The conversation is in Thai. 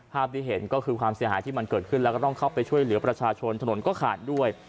ที่เห็นก็คือความเสียหายที่มันเกิดขึ้นแล้วก็ต้องเข้าไปช่วยเหลือประชาชนถนนก็ขาดด้วย